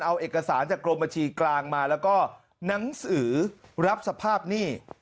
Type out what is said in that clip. เอาเอกสารจากกรมบัญชีกลางมาแล้วก็หนังสือรับสภาพหนี้